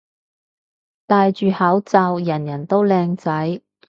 戴住口罩人人都靚仔